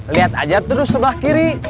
lihat aja terus sebelah kiri